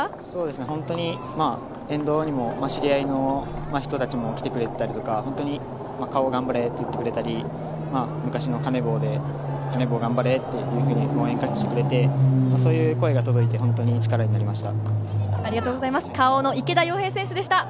本当に沿道にも知り合いの人たちも来てくれていたりとかＫａｏ頑張れと言ってくれたり、昔のカネボウでカネボウ頑張れと応援してくれて、そういう声が届いて本当に力になりました。